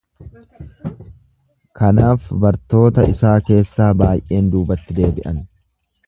Kanaaf bartoota isaa keessaa baay’een duubatti deebi’an.